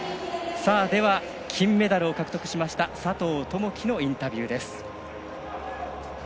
金メダルを獲得しました佐藤友祈のインタビューです。